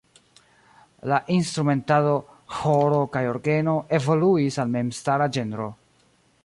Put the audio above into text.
La instrumentado "ĥoro kaj orgeno" evoluis al memstara ĝenro.